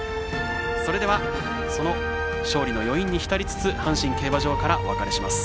それではその勝利の余韻に浸りつつ阪神競馬場からお別れします。